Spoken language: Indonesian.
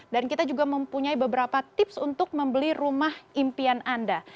dan kita juga mempunyai beberapa tips untuk membeli rumah impian anda